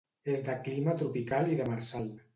És de clima tropical i demersal.